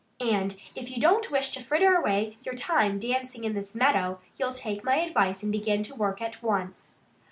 And if you don't wish to fritter away your time dancing in this meadow, you'll take my advice and begin to work at once."